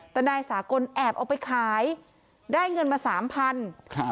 แต่นายสากลแอบเอาไปขายได้เงินมาสามพัน